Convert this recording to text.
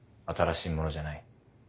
新しいものじゃない。